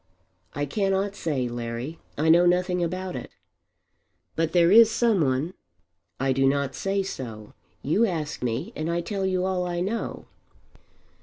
"I cannot say, Larry. I know nothing about it." "But there is some one?" "I do not say so. You ask me and I tell you all I know."